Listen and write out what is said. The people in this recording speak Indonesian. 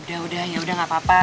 udah udah yaudah enggak apa apa